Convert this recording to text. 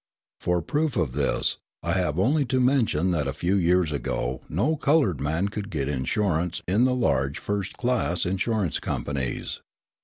For proof of this, I have only to mention that a few years ago no coloured man could get insurance in the large first class insurance companies.